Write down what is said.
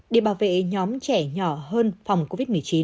để bảo vệ nhóm trẻ nhỏ hơn phòng covid một mươi chín